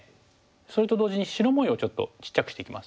それと同時に白模様ちょっとちっちゃくしていきます。